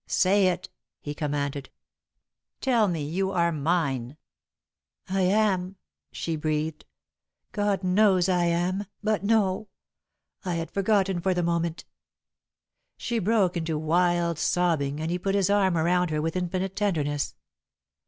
"Say it!" he commanded. "Tell me you are mine!" "I am," she breathed. "God knows I am, but no I had forgotten for the moment!" She broke into wild sobbing, and he put his arm around her with infinite tenderness.